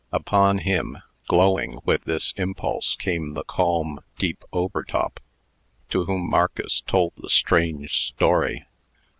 Upon him, glowing with this impulse, came the calm, deep Overtop, to whom Marcus told the strange story.